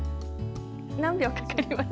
何秒、かかります。